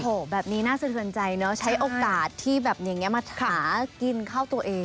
โอ้โหแบบนี้น่าสะเทือนใจเนอะใช้โอกาสที่แบบอย่างนี้มาหากินเข้าตัวเอง